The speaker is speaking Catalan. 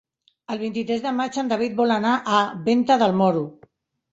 El vint-i-tres de maig en David vol anar a Venta del Moro.